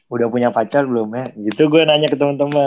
udah punya pacar belum ya gitu gue nanya ke teman teman